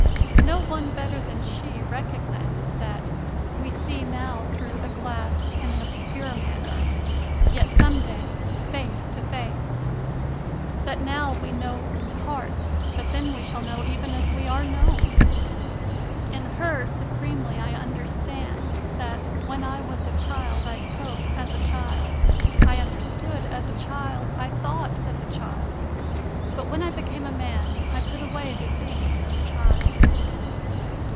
No one better than she recognizes that "we see now through a glass in an obscure manner," CONFESSIONS OF A CONVERT 161 yet some day "face to face"; that now we "know in part, but then we shall know even as we are known." In her supremely I understand that "when I was a child I spoke as a child, I under stood as a child, I thought as a child. But when I became a man, I put away the things of a child."